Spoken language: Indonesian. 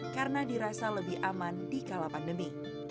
karena dirasa lebih aman di kala pandemi